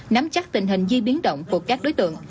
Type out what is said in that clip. nắm chắc tình hình di biến động của các đối tượng